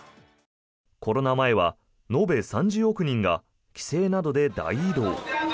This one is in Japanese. コロナ前は延べ３０億人が帰省などで大移動。